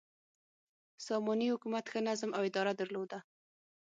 ساماني حکومت ښه نظم او اداره درلوده.